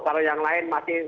kalau yang lain masih